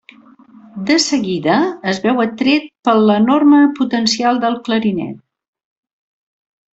De seguida es veu atret per l'enorme potencial del clarinet.